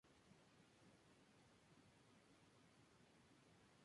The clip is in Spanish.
Puede afectar al cerebro causando una encefalopatía permanente.